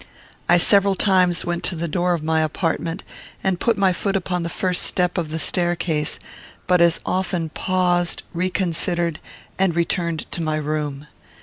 I several times went to the door of my apartment, and put my foot upon the first step of the staircase, but as often paused, reconsidered, and returned to my room.